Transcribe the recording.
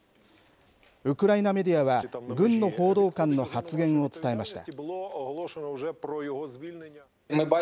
ウクライナメディアは、軍の報道官の発言を伝えました。